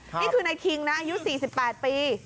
นี่คือนายทิ้งนะยุทธ์๔๘ปี